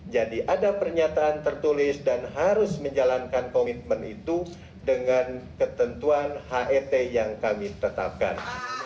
jadi ada pernyataan tertulis dan harus menjalankan komitmen itu dengan ketentuan het yang kami tetapkan